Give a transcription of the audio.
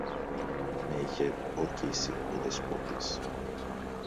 Με είχε ορκίσει ο Δεσπότης